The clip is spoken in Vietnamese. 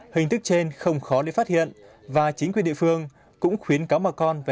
hình thức trên không thể được tìm ra